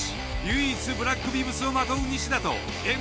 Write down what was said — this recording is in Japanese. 唯一ブラックビブスをまとう西田とＭ−１Ｒ−１２